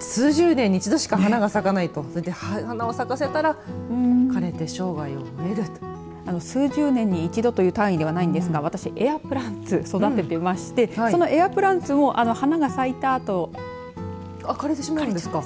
数十年に一度しか花が咲かないと花を咲かせたら枯れて生涯を終える数十年に一度という単位ではないですが私エアプランツ育てていましてそのプラントの花が咲いたあと枯れてしまうんですか。